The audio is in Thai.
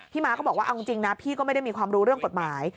ม้าก็บอกว่าเอาจริงนะพี่ก็ไม่ได้มีความรู้เรื่องกฎหมาย